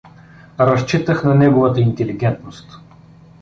Разчитах на неговата интелигентност.